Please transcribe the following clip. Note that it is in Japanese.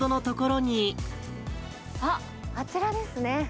あっ、あちらですね。